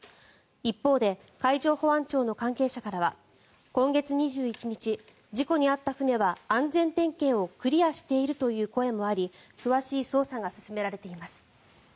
一方で海上保安庁の関係者からは今月２１日、事故に遭った船は安全点検をクリアしているという声もあり詳しい捜査が進められています。